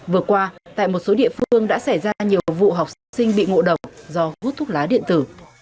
vừa qua tại một số địa phương đã xảy ra nhiều vụ học sinh bị ngộ độc do hút thuốc lá điện tử